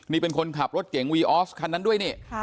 นี่เป็นคนขับรถเก่งวีออฟคันนั้นด้วยนี่